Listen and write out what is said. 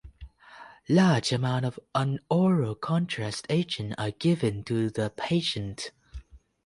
Large amounts of an oral contrast agent are given to the patient.